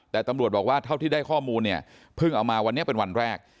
แต่ตำรวจบอกว่าเท่าที่ได้ข้อมูลเนี่ยเพิ่งเอามาวันนี้เป็นวันแรก